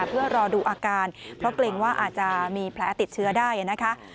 เพื่อรอดูอาการเพราะเกรงว่าอาจจะมีแผลติดเชื้อได้นะคะ